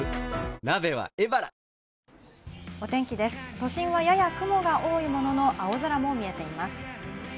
都心はやや雲が多いものの、青空も見えています。